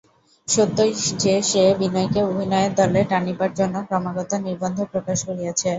সত্যই যে সে বিনয়কে অভিনয়ের দলে টানিবার জন্য ক্রমাগত নির্বন্ধ প্রকাশ করিয়াছে।